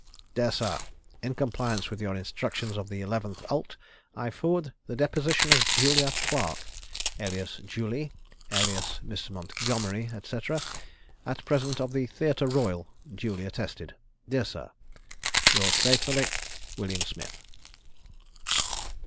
"DEAR SIR, "In compliance with your instructions of the 11th ult., I forward deposition of Julia Clark, alias Julie, alias Miss Montgomery, &c., at present of the Theatre Royal, duly attested. "Dear Sir, "Yours faithfully, "WILLIAM SMITH."